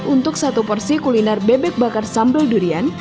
untuk satu porsi kuliner bebek bakar sambal durian